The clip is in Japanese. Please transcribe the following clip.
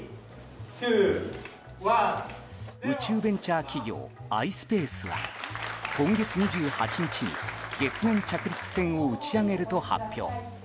宇宙ベンチャー企業アイスペースは今月２８日に月面着陸船を打ち上げると発表。